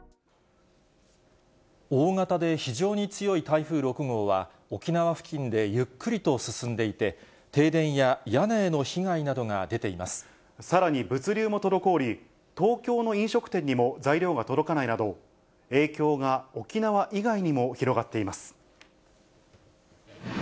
大型で非常に強い台風６号は、沖縄付近でゆっくりと進んでいて、停電や屋根への被害などが出てい飲食店にも材料が届かないなど、影響が沖縄以外にも広がっています。